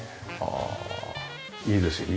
ああいいですよ。